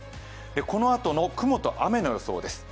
このあとの雲と雨の予想です。